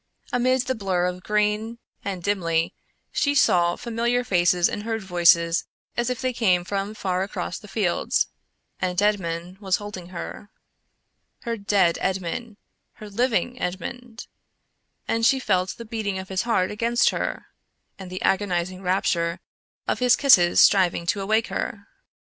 Amid the blur of green, and dimly, she saw familiar faces and heard voices as if they came from far across the fields, and Edmond was holding her. Her dead Edmond; her living Edmond, and she felt the beating of his heart against her and the agonizing rapture of his kisses striving to awake her.